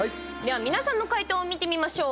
皆さんの解答を見てみましょう。